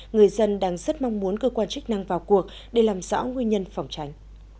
người dân đang rất mong muốn cơ quan chức năng vào cuộc để làm rõ nguyên nhân phòng tránh